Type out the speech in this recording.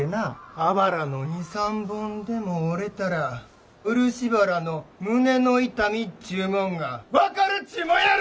あばらの２３本でも折れたら漆原の胸の痛みっちゅうもんが分かるっちゅうもんやろ！